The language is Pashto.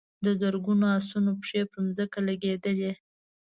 د زرګونو آسونو پښې پر ځمکه لګېدلې.